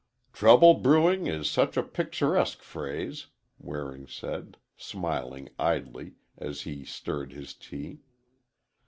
"Trouble brewing is such a picturesque phrase," Waring said, smiling idly, as he stirred his tea.